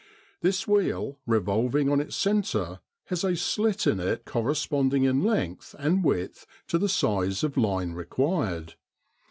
This wheel, revolving on its centre, has a slit in it corresponding in length and width to the size of line required.